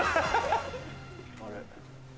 あれ？